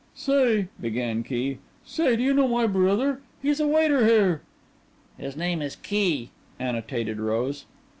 "Say," began Key, "say, do you know my brother? He's a waiter here." "His name is Key," annotated Rose.